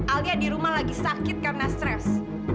alia di rumah lagi sakit karena stres